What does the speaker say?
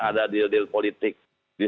ada di deal deal politik di